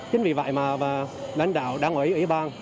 chính vì vậy mà lãnh đạo đảng ủy ủy ban